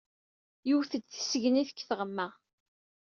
Yewwet-d tisegnit deg teɣma.